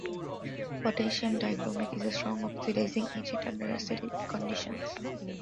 Potassium dichromate is a strong oxidizing agent under acidic conditions.